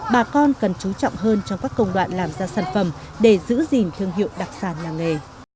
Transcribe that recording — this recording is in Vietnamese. bà con cần chú trọng hơn trong các công đoạn làm ra sản phẩm để giữ gìn thương hiệu đặc sản nhà nghề